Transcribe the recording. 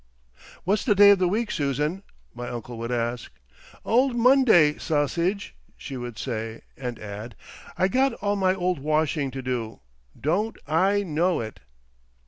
"What's the day of the week, Susan?" my uncle would ask. "Old Monday, Sossidge," she would say, and add, "I got all my Old Washing to do. Don't I know it!"...